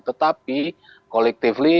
tetapi mereka masih dibela oleh pepa